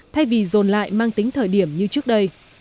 thay vì dồn lại mang tính thời điểm như trước đây